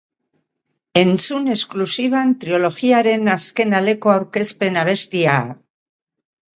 Entzun esklusiban trilogiaren azken aleko aurkezpen abestia!